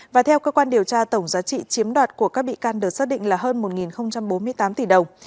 và theo cơ quan điều tra tổng giá trị chiếm đoạt của các bị can được xác định là hơn một bốn mươi tám tỷ đồng